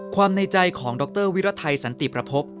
ในใจของดรวิรไทยสันติประพบ